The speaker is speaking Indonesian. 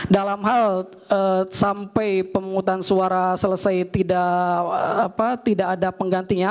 dalam hal sampai pemungutan suara selesai tidak ada penggantinya